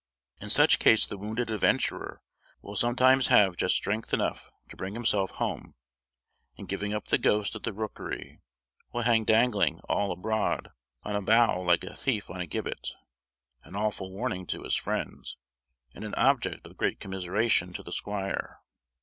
In such case the wounded adventurer will sometimes have just strength enough to bring himself home, and giving up the ghost at the rookery, will hang dangling "all abroad" on a bough like a thief on a gibbet; an awful warning to his friends, and an object of great commiseration to the squire.